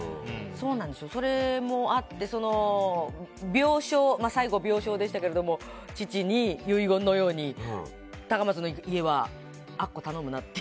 それもあって最後、病床でしたけど父に遺言のように高松の家はあっこ頼むなって。